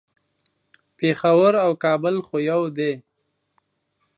پیښور او کابل خود یو دي